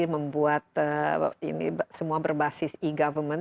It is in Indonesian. membuat ini semua berbasis e government